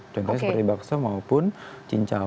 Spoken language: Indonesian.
contoh seperti bakso maupun cincau